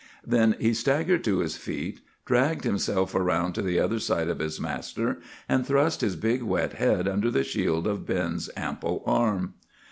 Then he staggered to his feet, dragged himself around to the other side of his master, and thrust his big wet head under the shield of Ben's ample arm.